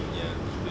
lima menit sebelumnya